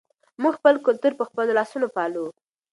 موږ خپل کلتور په خپلو لاسونو پالو.